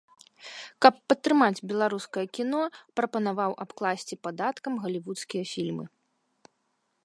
Каб падтрымаць беларускае кіно прапанаваў абкласці падаткам галівудскія фільмы.